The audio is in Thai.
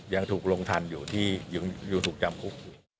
ยังถูกลงทันอยู่ที่ยังถูกจำคุกอยู่